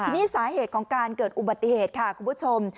นี่สาเหตุของการเกิดอุบัติเหตุค่ะคุณผู้ชม